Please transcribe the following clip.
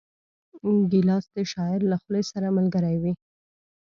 ګیلاس د شاعر له خولې سره ملګری وي.